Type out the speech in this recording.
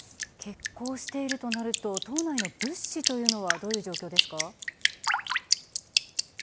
欠航しているとなると島内の物資というのはどういう状況ですか？